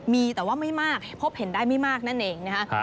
มีแต่ว่าไม่มากพบเห็นได้ไม่มากนั่นเองนะครับ